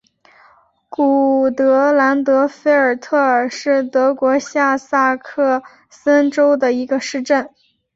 古德兰德菲尔特尔是德国下萨克森州的一个市镇。